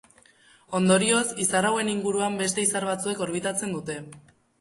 Ondorioz, izar hauen inguruan beste izar batzuek orbitatzen dute.